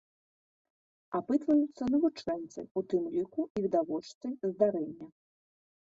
Апытваюцца навучэнцы, у тым ліку і відавочцы здарэння.